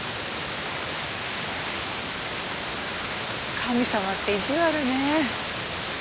神様って意地悪ね。